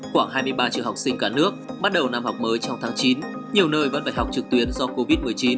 khoảng hai mươi ba triệu học sinh cả nước bắt đầu năm học mới trong tháng chín nhiều nơi vẫn phải học trực tuyến do covid một mươi chín